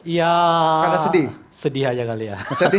ya sedih aja kali ya